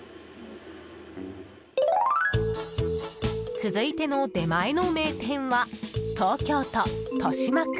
続いての出前の名店は東京都豊島区。